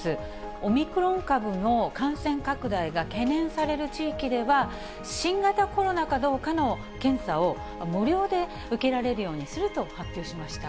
オミクロン株の感染拡大が懸念される地域では、新型コロナかどうかの検査を無料で受けられるようにすると発表しました。